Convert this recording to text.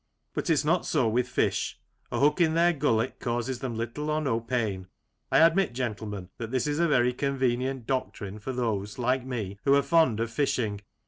But it's not so with fish : a hook in their gullet causes them little or no pain. I admit, gentlemen, that this is a very convenient doctrine for those, like me, who are fond of fishing.